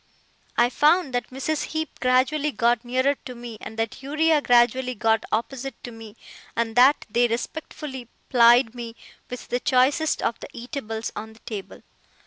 I found that Mrs. Heep gradually got nearer to me, and that Uriah gradually got opposite to me, and that they respectfully plied me with the choicest of the eatables on the table.